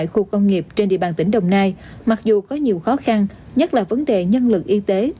khu công nghiệp trên địa bàn tỉnh đồng nai mặc dù có nhiều khó khăn nhất là vấn đề nhân lực y tế